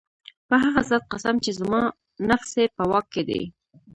په هغه ذات قسم چي زما نفس ئې په واك كي دی